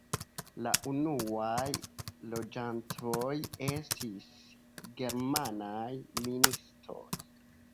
La unuaj loĝantoj estis germanaj ministoj.